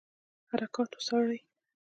حرکات وڅاري.